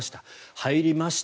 入りました。